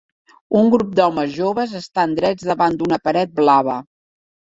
Un grup d'homes joves estan drets davant d'una paret blava.